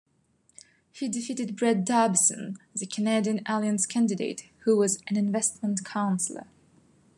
He defeated Brad Darbyson, the Canadian Alliance candidate, who was an investment counselor.